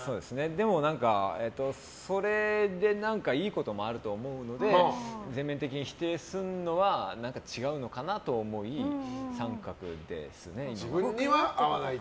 でもそれで何かいいこともあると思うので全面的に否定するのは違うのかなと思い自分には合わないと。